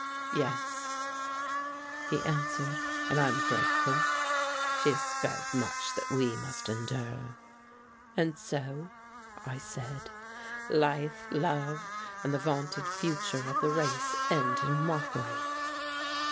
"Yes," he answered, "and I am grateful. She is spared much that we must endure." "And so," I said, "life, love, and the vaunted future of the race end in mockery."